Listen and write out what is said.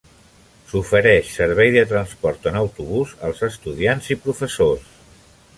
S'ofereix servei de transport en autobús als estudiants i professors.